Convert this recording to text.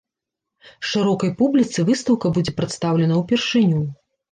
Шырокай публіцы выстаўка будзе прадстаўлена ўпершыню.